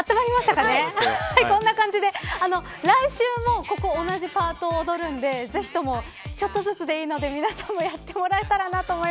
こんな感じで来週も同じパートを踊るんでぜひちょっとずつでもいいんで皆さんもやってもらえたら。